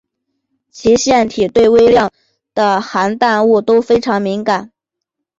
其腺体对微量的含氮物都非常敏感。